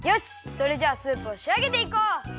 それじゃあスープをしあげていこう！